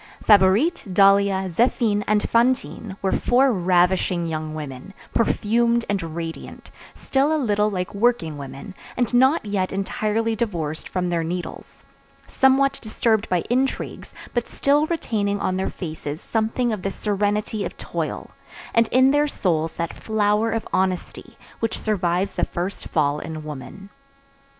Favourite, Dahlia, Zéphine, and Fantine were four ravishing young women, perfumed and radiant, still a little like working women, and not yet entirely divorced from their needles; somewhat disturbed by intrigues, but still retaining on their faces something of the serenity of toil, and in their souls that flower of honesty which survives the first fall in woman.